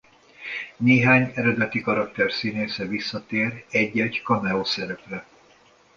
Néhány eredeti karakter színésze visszatér egy-egy cameo szerepre.